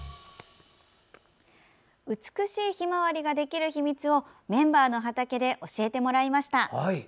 美しいひまわりができる秘密をメンバーの畑で教えてもらいました。